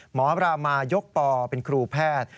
หมอปลามายกปอเป็นครูแพทย์